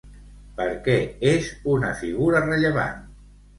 Per què és una figura rellevant?